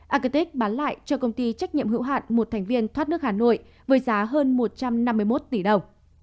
akitex bán lại cho công ty trách nhiệm hữu hạn một thành viên thoát nước hà nội với giá hơn một trăm năm mươi một tỷ đồng